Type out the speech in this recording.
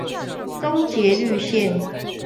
中捷綠線